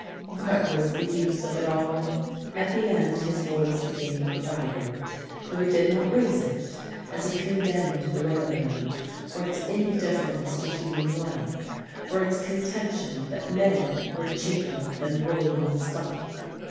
What was the use of it all! At the end his voice became more vibrant though he did not raise it as he condemned the Railroad for its indifference to human life, for its contention that men were cheaper than rolling stock.